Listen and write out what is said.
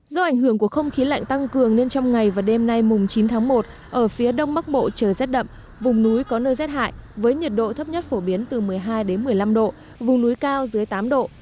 do ảnh hưởng của không khí lạnh tăng cường nên trong ngày và đêm nay chín tháng một ở phía đông bắc bộ trời rét đậm vùng núi có nơi rét hại với nhiệt độ thấp nhất phổ biến từ một mươi hai một mươi năm độ vùng núi cao dưới tám độ